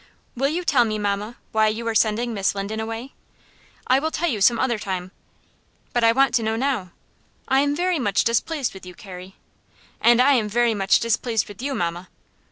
"Will you tell me, mamma, why you are sending Miss Linden away?" "I will tell you some other time." "But I want to know now." "I am very much displeased with you, Carrie." "And I am very much displeased with you, mamma."